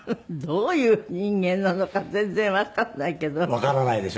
どういう人間なのか全然わからないけど。